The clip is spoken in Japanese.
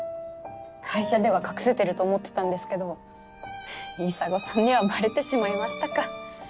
会社では隠せてると思ってたんですけど砂金さんにはバレてしまいましたか。